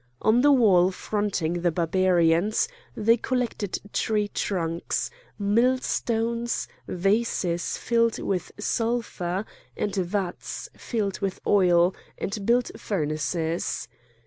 On the wall fronting the Barbarians they collected tree trunks, mill stones, vases filled with sulphur, and vats filled with oil, and built furnaces.